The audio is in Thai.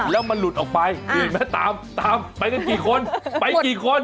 แล้วมันหลุดออกไปตามไปกันกี่คนไปกี่คน